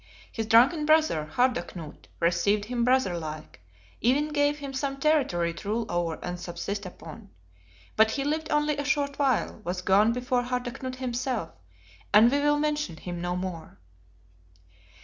His drunken brother, Harda Knut, received him brother like; even gave him some territory to rule over and subsist upon. But he lived only a short while; was gone before Harda Knut himself; and we will mention him no more.